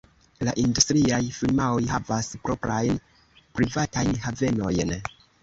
La industriaj firmaoj havas proprajn privatajn havenojn.